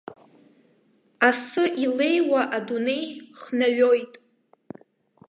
Асы илеиуа адунеи хнаҩоит.